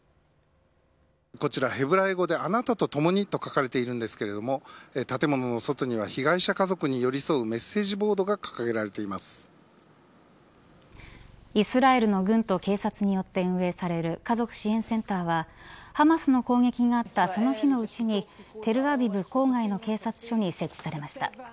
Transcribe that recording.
こちらヘブライ語であなたと共にと書かれているんですけれども建物の外には被害者家族に寄り添うメッセージボードがイスラエルの軍と警察によって運営される家族支援センターはハマスの攻撃があったその日のうちにテルアビブ郊外の警察署に設置されました。